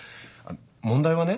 問題はね